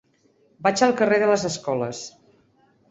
Vaig al carrer de les Escoles.